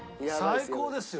最高ですよ。